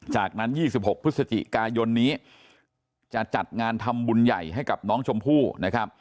จากนั้น๒๖พฤศจิกายนนี้จะจัดงานทำบุญใหญ่ให้กับน้องชมพู่นะครับ